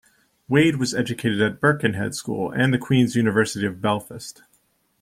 Wade was educated at Birkenhead School and the Queen's University of Belfast.